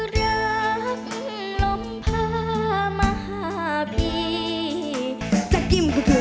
ทีมที่ชนะคือ